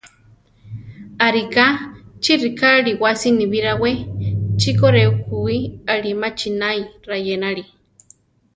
Ariká chi riká aliwá siníbi rawé: chiko re ukúi alí machinái rayénali.